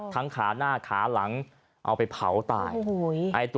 ทั้งขาหน้าขาหลังเอาไปเผาตาย